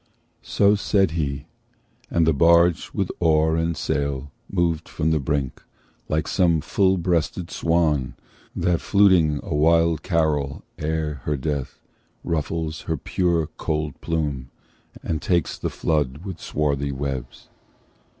So said he, and the barge with oar and sail Moved from the brink, like some full breasted swan That, fluting a wild carol ere her death, Ruffles her pure cold plume, and takes the flood With swarthy webs.